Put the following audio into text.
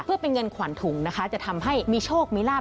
เพื่อเป็นเงินขวัญถุงนะคะจะทำให้มีโชคมีลาบ